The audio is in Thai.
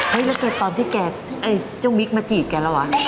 เฮ้ยแล้วเกิดตอนที่เจ้ามิกมาจีบแกแล้ววะ